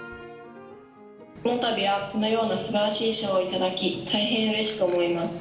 このたびはこのようなすばらしい賞を頂き、大変うれしく思います。